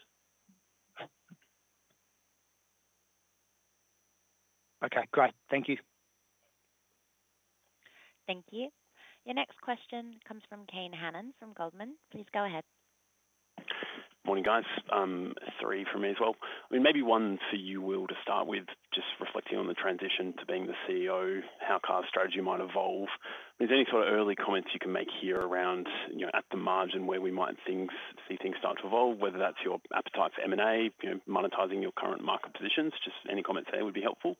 Okay. Great. Thank you. Thank you. Your next question comes from Kane Hannan from Goldman. Please go ahead. Morning, guys. Three from me as well. Maybe one for you, Will, to start with, just reflecting on the transition to being the CEO, how CAR Group strategy might evolve. Is there any sort of early comments you can make here around, you know, at the margin where we might see things start to evolve, whether that's your appetite for M&A, you know, monetizing your current market positions, just any comments there would be helpful.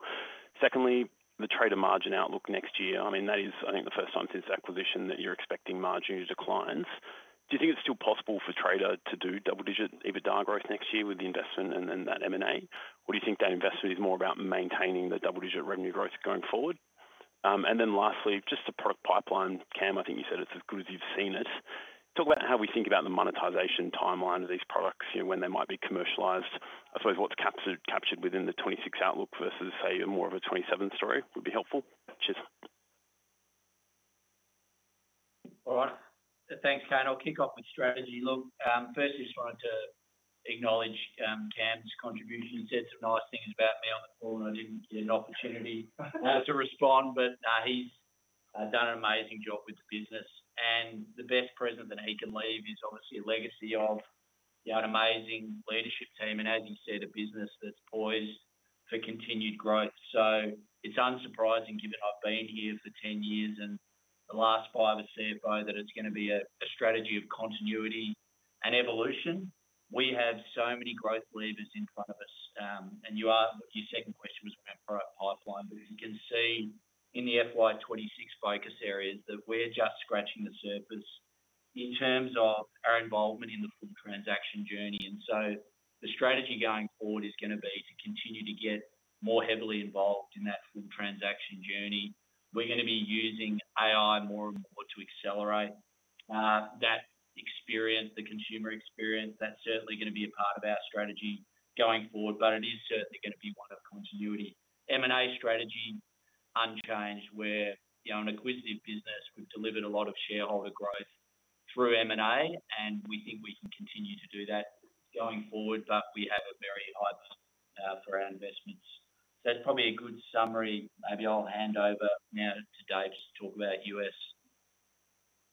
Secondly, the Trader Interactive margin outlook next year, that is, I think, the first time since acquisition that you're expecting margin declines. Do you think it's still possible for Trader Interactive to do double-digit EBITDA growth next year with the investment and then that M&A? Or do you think that investment is more about maintaining the double-digit revenue growth going forward? Lastly, just the product pipeline, Cam, I think you said it's as good as you've seen it. Talk about how we think about the monetization timeline of these products, when they might be commercialized. I suppose what's captured within the 2026 outlook versus, say, more of a 2027 story would be helpful. Cheers. All right. Thanks, Cam. I'll kick off with strategy. First, I just wanted to acknowledge Cam's contribution. He said some nice things about me on the call, and I didn't get an opportunity to respond, but he's done an amazing job with the business. The best present that he can leave is obviously a legacy of an amazing leadership team, and as he said, a business that's poised for continued growth. It is unsurprising given I've been here for 10 years and the last five as CFO that it's going to be a strategy of continuity and evolution. We have so many growth levers in front of us. Your second question was about product pipeline. As you can see in the FY2026 focus areas, we're just scratching the surface in terms of our involvement in the full transaction journey. The strategy going forward is going to be to continue to get more heavily involved in that full transaction journey. We're going to be using AI more and more to accelerate that experience, the consumer experience. That's certainly going to be a part of our strategy going forward, but it is certainly going to be one of continuity. M&A strategy unchanged where, you know, an acquisitive business, we've delivered a lot of shareholder growth through M&A, and we think we can continue to do that going forward, but we have a very high bar for our investments. That's probably a good summary. Maybe I'll hand over now to David to talk about U.S.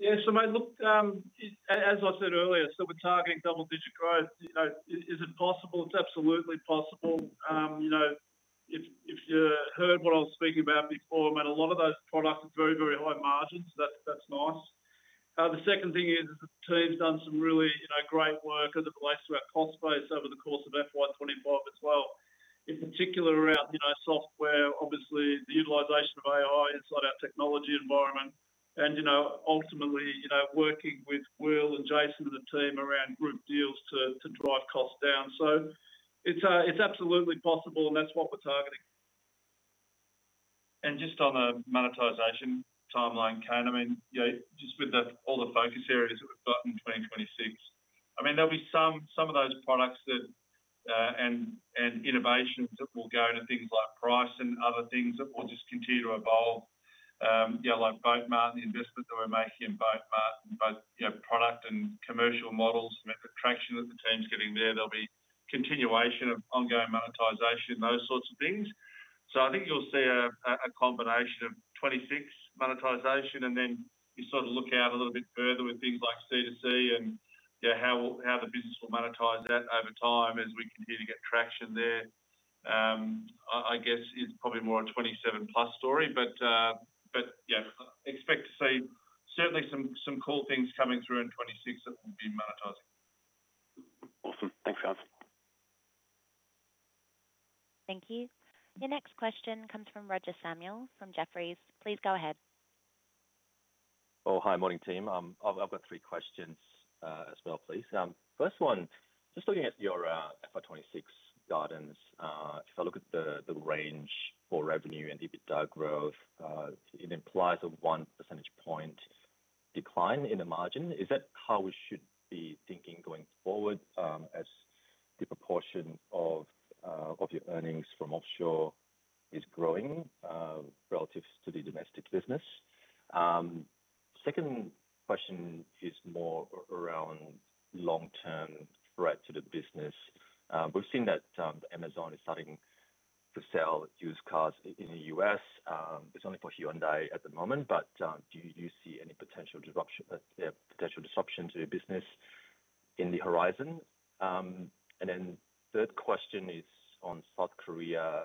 Yeah. Mate, look, as I said earlier, we're targeting double-digit growth. You know, is it possible? It's absolutely possible. If you heard what I was speaking about before, mate, a lot of those products are very, very high margins. That's nice. The second thing is the team's done some really great work as it relates to our cost base over the course of FY2025 as well, in particular around software, obviously, the utilization of AI inside our technology environment. Ultimately, working with Will and Jason and the team around group deals to drive costs down. It's absolutely possible, and that's what we're targeting. On the monetization timeline, Cam, with all the focus areas that we've got in 2026, there will be some of those products and innovations that will go into things like price and other things that will just continue to evolve. Like BOKE Mart and the investment that we're making in BOKE Mart in both product and commercial models, the traction that the team's getting there, there will be continuation of ongoing monetization, those sorts of things. I think you'll see a combination of 2026 monetization, and then you look out a little bit further with things like C2C and how the business will monetize that over time as we continue to get traction there. I guess it's probably more a 2027 plus story, but expect to see certainly some cool things coming through in 2026 that will be monetizing. Awesome. Thanks, guys. Thank you. Your next question comes from Roger Samuel from Jefferies. Please go ahead. Oh, hi. Morning, team. I've got three questions as well, please. First one, just looking at your FY2026 guidance, if I look at the range for revenue and EBITDA growth, it implies a 1% point decline in the margin. Is that how we should be thinking going forward as the proportion of your earnings from offshore is growing relative to the domestic business? Second question is more around long-term threat to the business. We've seen that Amazon is starting to sell used cars in the U.S. It's only for Hyundai at the moment, but do you see any potential disruption to the business in the horizon? The third question is on South Korea.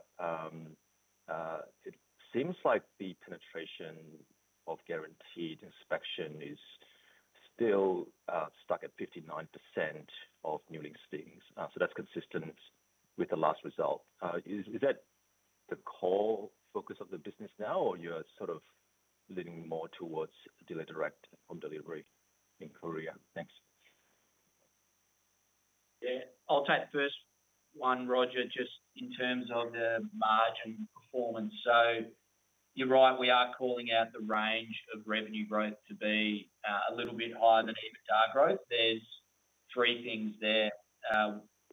It seems like the penetration of guaranteed inspection is still stuck at 59% of Newlings' things. That's consistent with the last result. Is that the core focus of the business now, or you're sort of leaning more towards dealer-direct home delivery in Korea? Thanks. Yeah. I'll take the first one, Roger, just in terms of the margin performance. You're right. We are calling out the range of revenue growth to be a little bit higher than EBITDA growth. There are three things there.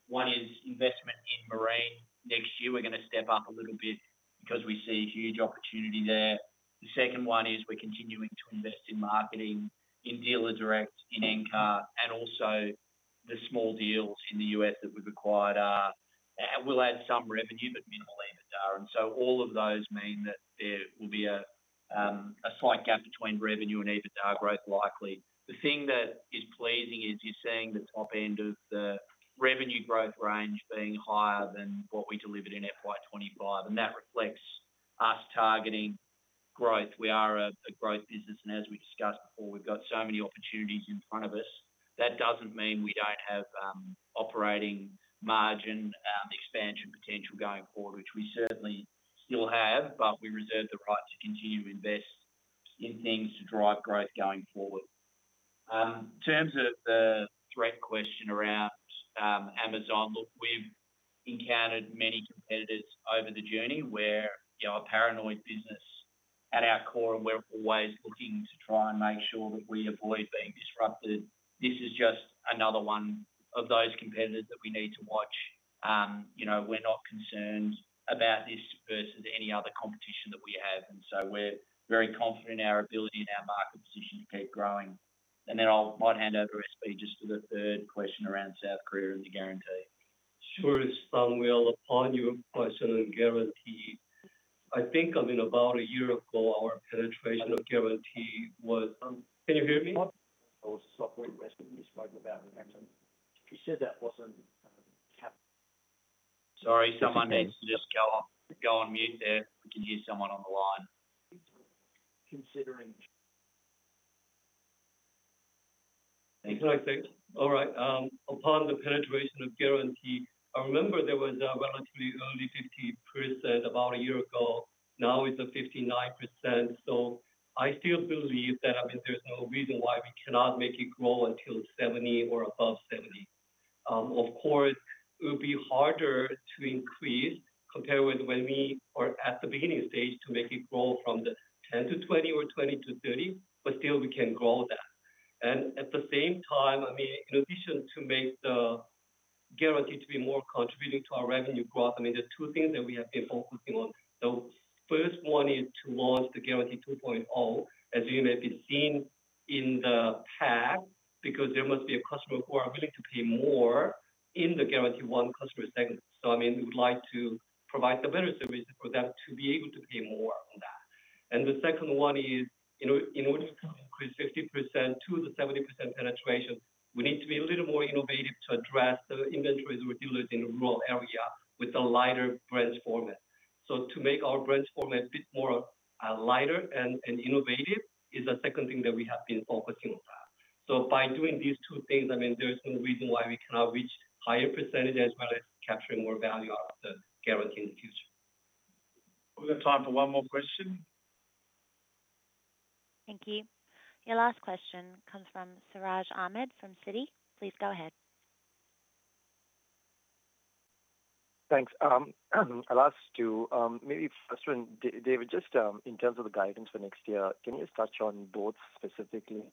One is investment in marine. Next year, we're going to step up a little bit because we see huge opportunity there. The second one is we're continuing to invest in marketing, in DealerDirect, in NCAR, and also the small deals in the U.S. that we've acquired. We'll add some revenue, but minimal EBITDA. All of those mean that there will be a slight gap between revenue and EBITDA growth likely. The thing that is pleasing is you're seeing the top end of the revenue growth range being higher than what we delivered in FY2025. That reflects us targeting growth. We are a growth business. As we discussed before, we've got so many opportunities in front of us. That doesn't mean we don't have operating margin expansion potential going forward, which we certainly still have, but we reserve the right to continue to invest in things to drive growth going forward. In terms of the threat question around Amazon, look, we've encountered many competitors over the journey. We are a paranoid business at our core, and we're always looking to try and make sure that we avoid being disrupted. This is just another one of those competitors that we need to watch. We're not concerned about this versus any other competition that we have. We're very confident in our ability and our market position to keep growing. I might hand over to SB just for the third question around South Korea and the guarantee. Sure. It's from Will. A partner, you have a question on Guarantee. I think I mean about a year ago, our penetration of Guarantee was—can you hear me? I want to stop what Rachel just spoke about for a moment. She said that wasn't happening. Sorry, someone needs to go on mute there. I can hear someone on the line. Considering. All right. A part of the penetration of Guarantee, I remember there was a relatively early 50% about a year ago. Now it's at 59%. I still believe that, I mean, there's no reason why we cannot make it grow until 70% or above 70%. Of course, it would be harder to increase compared with when we are at the beginning stage to make it grow from 10%-20% or 20%-30%, but still we can grow that. At the same time, in addition to making the Guarantee to be more contributing to our revenue growth, there are two things that we have been focusing on. The first one is to launch the Guarantee 2.0, as you may be seeing in the tag, because there must be a customer who is willing to pay more in the Guarantee 1 customer segment. We would like to provide better services for them to be able to pay more on that. The second one is, in order to increase 60% to the 70% penetration, we need to be a little more innovative to address the inventory that we're dealing with in the rural area with a lighter branch format. To make our branch format a bit more lighter and innovative is the second thing that we have been focusing on. By doing these two things, there's no reason why we cannot reach higher percentages rather than capturing more value out of the Guarantee in the future. We have time for one more question. Thank you. Your last question comes from Siraj Ahmed from Citi. Please go ahead. Thanks. I'll ask you maybe first one, David, just in terms of the guidance for next year, can you just touch on boats specifically?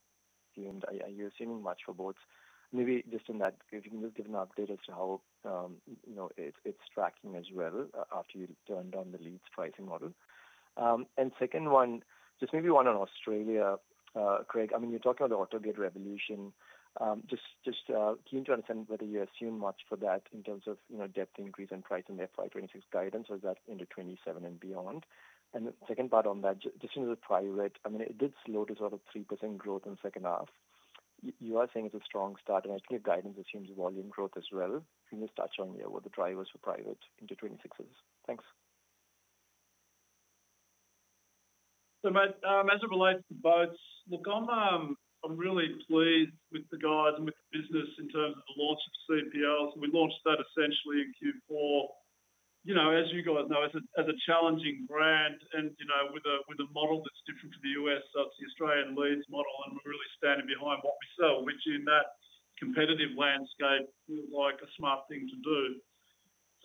I hear you're assuming much for boats. Maybe just in that, if you can just give an update as to how, you know, it's tracking as well after you turned on the leads pricing model. The second one, just maybe one on Australia, Craig. I mean, you're talking about the AutoGuide Revolution. Just keen to understand whether you assume much for that in terms of, you know, depth increase and price in the FY2026 guidance, or is that into 2027 and beyond? The second part on that, just in the private, I mean, it did slow to sort of 3% growth in the second half. You are saying it's a strong start, and I think your guidance assumes volume growth as well. Can you just touch on, yeah, what the drivers for private into 2026 is? Thanks. As it relates to boats, look, I'm really pleased with the guys and with the business in terms of the launch of CPLs. We launched that essentially in Q4. As you guys know, as a challenging brand and with a model that's different from the U.S., but the Australian leads model, we're really standing behind what we sell, which in that competitive landscape looked like a smart thing to do.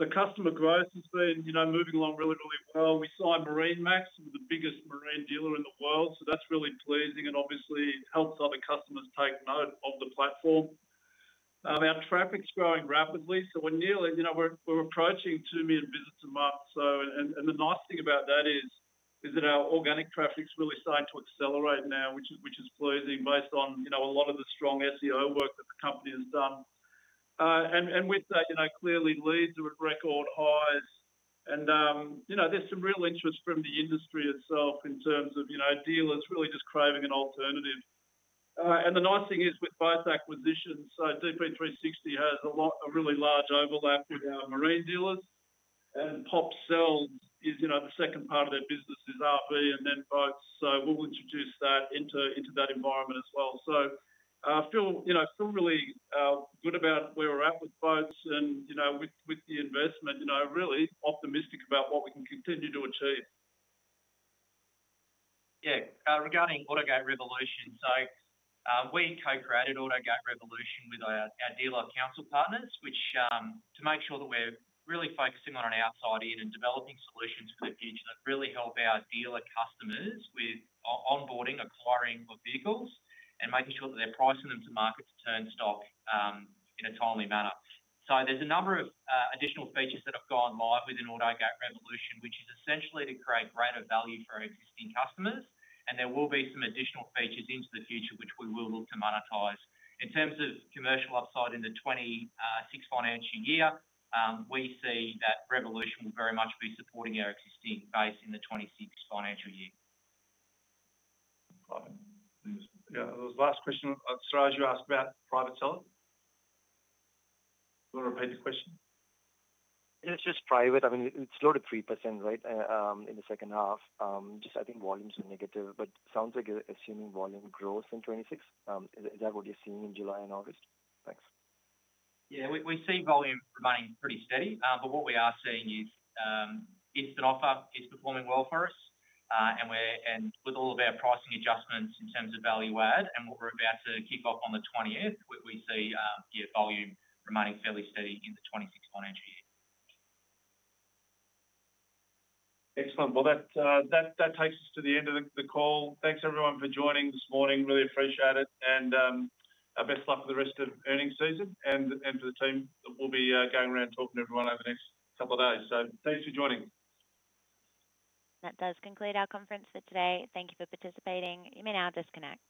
Customer growth has been moving along really, really well. We signed MarineMax, the biggest marine dealer in the world. That's really pleasing and obviously helps other customers take note of the platform. Our traffic's growing rapidly. We're approaching 2 million visits a month, and the nice thing about that is that our organic traffic's really starting to accelerate now, which is pleasing based on a lot of the strong SEO work that the company has done. With that, leads are at record highs. There's some real interest from the industry itself in terms of dealers really just craving an alternative. The nice thing is with both acquisitions, DP360 has a lot of really large overlap with our marine dealers. PopSells, the second part of their business is RV and then boats, so we'll introduce that into that environment as well. I feel really good about where we're at with boats and with the investment, really optimistic about what we can continue to achieve. Yeah. Regarding AutoGuide Revolution, we co-created AutoGuide Revolution with our dealer council partners to make sure that we're really focusing on an outside-in and developing solutions for the future that really help our dealer customers with onboarding, acquiring of vehicles, and making sure that they're pricing them to market to turn stock in a timely manner. There are a number of additional features that have gone live within AutoGuide Revolution, which is essentially to create greater value for our existing customers. There will be some additional features into the future, which we will look to monetize. In terms of commercial upside in the 2026 financial year, we see that Revolution will very much be supporting our existing base in the 2026 financial year. Got it. Yeah, there was a last question. I was surprised you asked about private selling. Can you repeat the question? Yeah, it's just private. I mean, it's low to 3% in the second half. I think volumes are negative, but sounds like you're assuming volume growth in 2026. Is that what you're seeing in July and August? Thanks. Yeah, we see volume remaining pretty steady. What we are seeing is, instant offer is performing well for us, and with all of our pricing adjustments in terms of value add and what we're about to kick off on the 20th, we see the volume remaining fairly steady in the 2026 financial year. Excellent. That takes us to the end of the call. Thanks, everyone, for joining this morning. Really appreciate it. Best of luck with the rest of earnings season. For the team, that will be going around talking to everyone over the next couple of days, thanks for joining. That does conclude our conference for today. Thank you for participating. You may now disconnect.